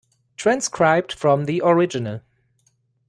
Transcribed from the original.